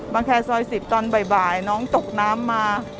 แคร์ซอย๑๐ตอนบ่ายน้องตกน้ำมา